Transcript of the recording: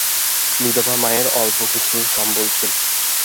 বিধবা মায়ের অল্প কিছু সম্বল ছিল।